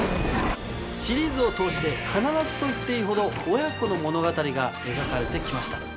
シリーズを通して必ずと言っていいほど親子の物語が描かれて来ました。